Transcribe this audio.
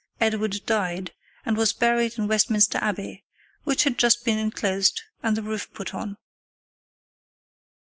] January 5, 1066, Edward died, and was buried in Westminster Abbey, which had just been enclosed and the roof put on.